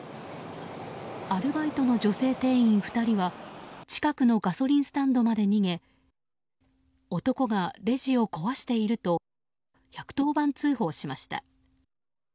アルバイトの女性店員２人は近くのガソリンスタンドまで逃げ男がレジを壊していると１１０番通報しました。